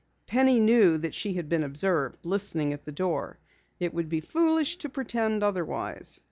Penny knew that she had been observed listening at the door. It would be foolish to pretend otherwise.